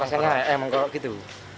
emang kok gitu